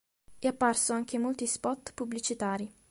È apparso anche in molti spot pubblicitari.